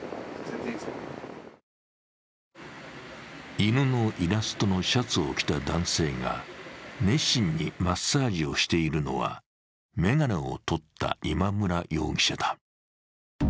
犬のイラストのシャツを着た男性が熱心にマッサージをしているのは眼鏡をとった今村容疑者だ。